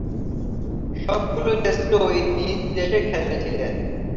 সবগুলো টেস্টই নিজ দেশে খেলেছিলেন।